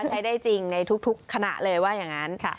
ให้ได้จริงในทุกขณะเลยว่าอย่างนั้น